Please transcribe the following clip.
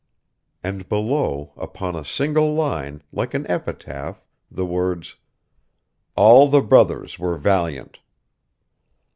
And below, upon a single line, like an epitaph, the words: "'All the brothers were valiant.'"